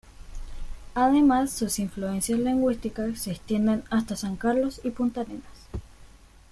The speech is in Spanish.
Además sus influencias lingüísticas se extienden hasta San Carlos y Puntarenas.